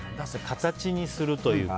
形にするというか。